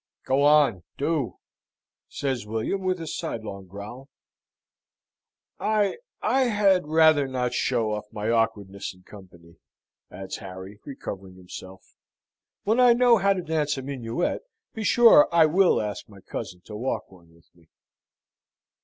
"Go on, do!" says William, with a sidelong growl. "I I had rather not show off my awkwardness in company," adds Harry, recovering himself. "When I know how to dance a minuet, be sure I will ask my cousin to walk one with me."